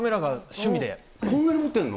こんなに持ってるの？